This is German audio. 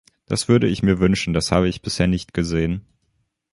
Das würde ich mir wünschen, das habe ich bisher nicht gesehen.